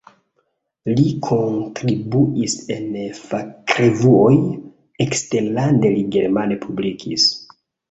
Li kontribuis en fakrevuoj, eksterlande li germane publikis.